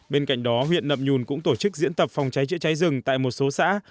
bên cạnh đó huyện nậm nhùn cũng tổ chức diễn tập phòng cháy chữa cháy rừng tại một số xã